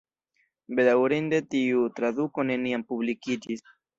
Bedaŭrinde tiu traduko neniam publikiĝis.